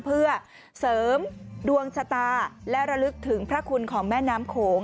เพื่อเสริมดวงชะตาและระลึกถึงพระคุณของแม่น้ำโขง